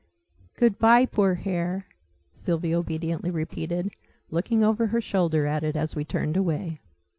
"Good bye, poor hare!" Sylvie obediently repeated, looking over her shoulder at it as we turned away.